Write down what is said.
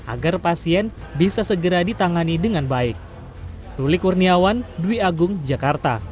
agar pasien bisa segera ditangani dengan baik